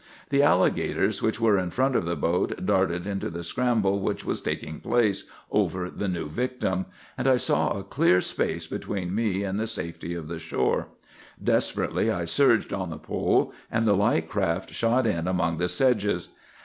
The alligators which were in front of the boat darted into the scramble which was taking place over the new victim, and I saw a clear space between me and the safety of the shore. Desperately I surged on the pole, and the light craft shot in among the sedges.